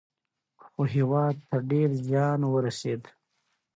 خو هیواد ته ډیر زیان ورسېد.